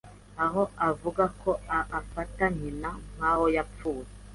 aho avuga ko afata nyina nk’aho yapfuye